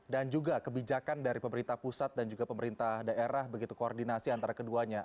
dan juga kebijakan dari pemerintah pusat dan juga pemerintah daerah begitu koordinasi antara keduanya